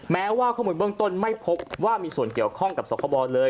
แม้ว่าข้อมูลเบื้องต้นไม่พบว่ามีส่วนเกี่ยวข้องกับสคบเลย